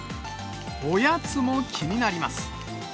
おやつも気になります。